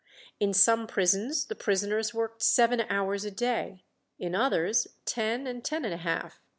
In some prisons the prisoners worked seven hours a day, in others ten and ten and a half.